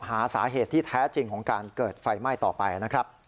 หาสาเหตุที่แท้จริงของการเกิดไฟไหม้ต่อไปนะครับ